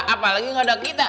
apalagi gak ada kita